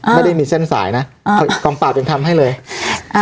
ไม่ได้มีเส้นสายนะอ่ากองปราบยังทำให้เลยอ่า